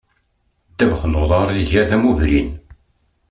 Ddabex n uḍar iga d amubrin.